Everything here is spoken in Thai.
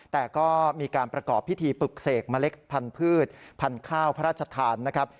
แต่ก็มีการประกอบพิธีปลุกเสกเมล็ดพันธุ์พืชพันธุ์พันธุ์ข้าวพระราชทานนะครับ